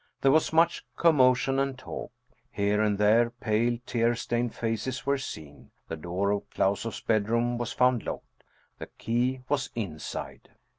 There was much commotion and talk. Here and there, pale, tear stained faces were seen. The door of Klausoff s bedroom was found locked. The key was inside.